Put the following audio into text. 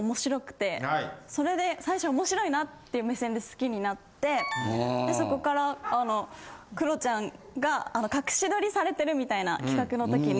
それで最初面白いなっていう目線で好きになってそこからあのクロちゃんが隠し撮りされてるみたいな企画のときに。